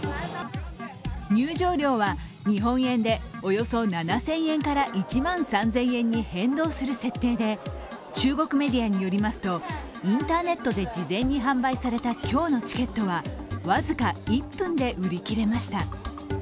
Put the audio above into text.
入場料は日本円でおよそ７０００円から１万３０００円に変動する設定で中国メディアによりますとインターネットで事前に販売された今日のチケットは僅か１分で売り切れました。